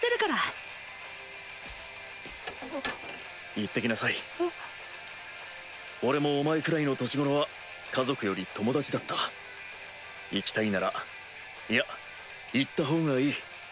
行ってきなさい俺もお前くらいの年頃は家族より友達だった行きたいならイヤ行ったほうがいい。